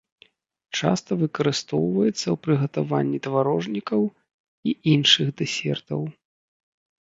Часта выкарыстоўваецца ў прыгатаванні тварожнікаў і іншых дэсертаў.